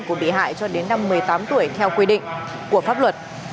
hiếu đã bị hại cho đến năm một mươi tám tuổi theo quy định của pháp luật